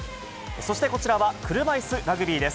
そしてこちらは、車いすラグビーです。